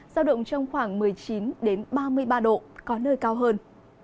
giao động trong khoảng một mươi chín ba mươi ba độ có nơi cao hơn